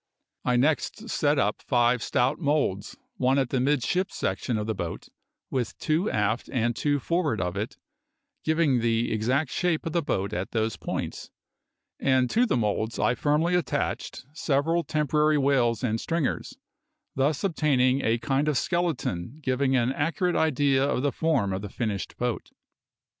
I next set up five stout moulds, one at the midship section of the boat, with two aft and two forward of it, giving the exact shape of the boat at those points, and to the moulds I firmly attached several temporary wales and stringers, thus obtaining a kind of skeleton giving an accurate idea of the form of the finished boat.